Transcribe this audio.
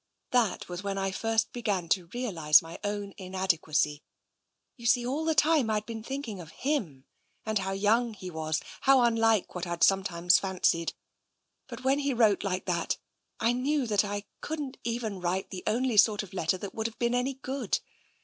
That was when I first began to realise my own in adequacy. You see, all the time I'd been thinking of him, and how young he was — how unlike what I'd sometimes fancied. But when he wrote like that, I knew that I couldn't even write the only sort of letter that would have been any good.